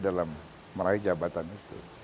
dalam meraih jabatan itu